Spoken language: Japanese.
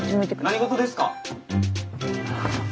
何事ですか？